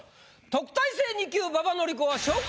特待生２級馬場典子は昇格か⁉